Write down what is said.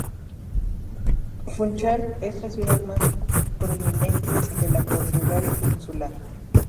Funchal es la ciudad más prominente de la Portugal insular.